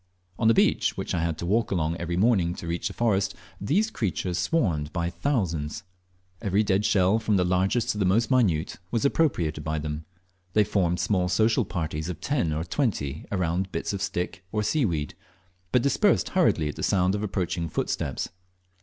On the beach, which I had to walls along every morning to reach the forest, these creatures swarmed by thousands. Every dead shell, from the largest to the most minute, was appropriated by them. They formed small social parties of ten or twenty around bits of stick or seaweed, but dispersed hurriedly at the sound of approaching footsteps.